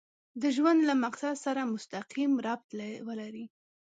د ژوند له مقصد سره مسقيم ربط ولري.